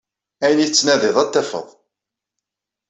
Ayen ay tettnadiḍ ad t-tafeḍ.